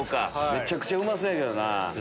めちゃくちゃうまそうやけどな。